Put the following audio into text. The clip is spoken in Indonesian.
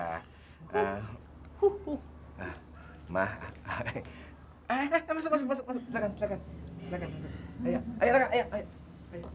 ah mak masuk masuk silakan silakan